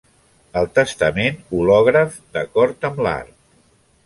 El testament hològraf, d'acord amb l'art.